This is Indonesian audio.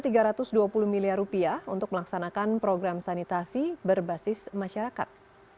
dan dana sebesar tiga ratus dua puluh miliar rupiah untuk melaksanakan program sanitasi berbasis masyarakat